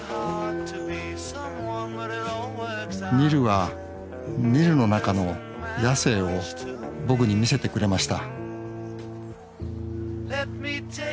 ニルはニルの中の野性を僕に見せてくれました